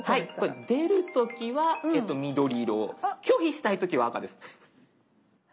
出る時は緑色拒否したい時は赤です。